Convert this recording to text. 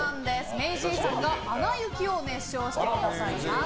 ＭａｙＪ．さんが「アナ雪」を熱唱してくださいます。